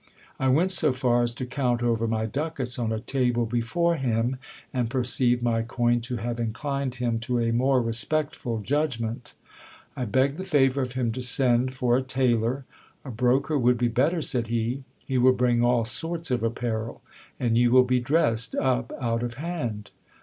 I went so far as to count over my ducats on a table before him, and perceived my coin to have inclined him to a more respectful judgment. I begged the favour of him to send for a tailor. A broker would be better, said he ; he will bring all sorts of apparel, and you will be dressed up out of hand.